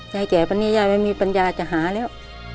ยายแก่วันนี้ยายไม่มีปัญญาจะหาแล้ว